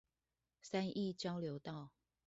三義交流道